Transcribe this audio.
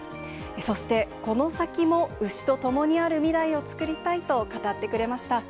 そして、この先も牛と共にある未来を作りたいと語ってくれました。